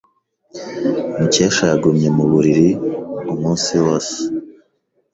Mukesha yagumye mu buriri umunsi wose.